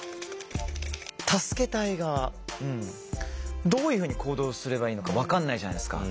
助けたい側どういうふうに行動すればいいのか分かんないじゃないですか。